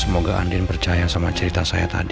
semoga andin percaya sama cerita saya tadi